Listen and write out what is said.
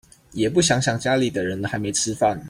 也不想想家裡的人還沒吃飯